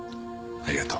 ありがとう。